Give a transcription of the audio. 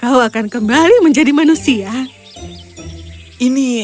hai menjadi manusia ini